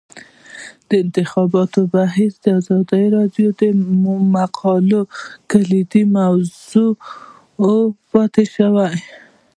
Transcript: د انتخاباتو بهیر د ازادي راډیو د مقالو کلیدي موضوع پاتې شوی.